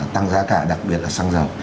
tăng giá cả đặc biệt là xăng dầu